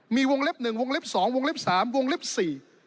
มีวงเล็บหนึ่งวงเล็บสองวงเล็บสามวงเล็บสี่